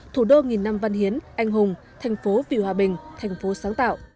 thủ đô nghìn năm văn hiến anh hùng thành phố vì hòa bình thành phố sáng tạo